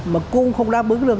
mà cung không đáp ứng được